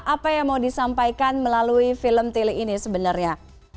apa yang mau disampaikan melalui film tilik ini sebenernya